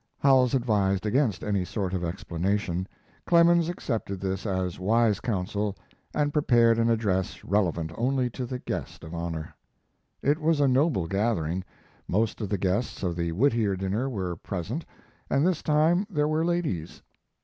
Howells advised against any sort of explanation. Clemens accepted this as wise counsel, and prepared an address relevant only to the guest of honor. It was a noble gathering. Most of the guests of the Whittier dinner were present, and this time there were ladies.